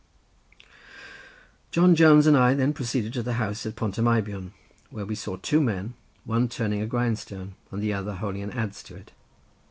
John Jones and I then proceeded to the house at Pont y Meibion, where we saw two men, one turning a grindstone, and the other holding an adze to it.